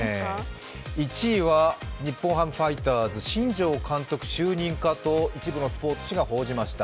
１位は日本ハムファイターズ、新庄監督就任か？と一部のスポーツ紙が報じました。